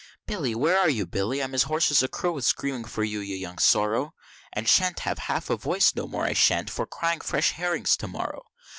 Billy where are you, Billy? I'm as hoarse as a crow, with screaming for ye, you young sorrow! And shan't have half a voice, no more I shan't, for crying fresh herrings to morrow.